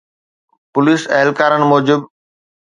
police اهلڪارن موجب